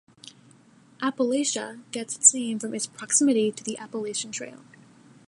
"Appalachia" gets its name from its proximity to the Appalachian Trail.